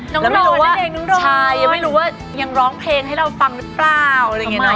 น้องร้อนนะเด็กน้องร้อนยังร้องเพลงให้เราฟังหรือเปล่าทำไมอะ